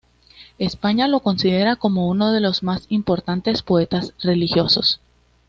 España lo considera como uno de sus más importantes poetas religiosos.